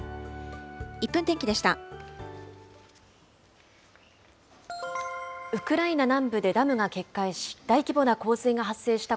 １分天気でした。